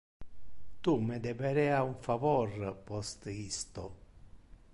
Tu me debera un favor post isto.